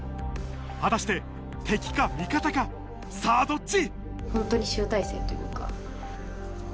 果たして敵か味方かさぁどっち？